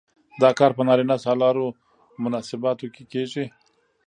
دا کار په نارینه سالارو مناسباتو کې کیږي.